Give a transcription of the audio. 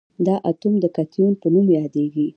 دا اتوم د کتیون په نوم یادیږي.